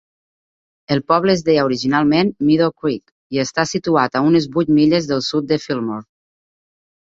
El poble es deia originalment Meadow Creek i està situat a unes vuit milles del sud de Fillmore.